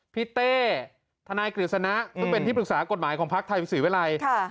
พี่เต้ทนายกฤษณะนู่นเป็นที่ปรึกษากฎหมายของภักดิ์ไทยศือเวลาย